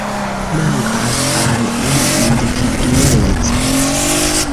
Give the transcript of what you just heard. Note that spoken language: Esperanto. Mankas al ili individueco.